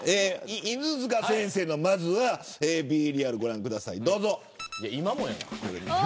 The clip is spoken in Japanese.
犬塚先生のをまずはご覧ください。